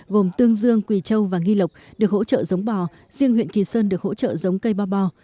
gồm tương dương quỳ châu và nghi lộc được hỗ trợ giống bò riêng huyện kỳ sơn được hỗ trợ giống cây bo bò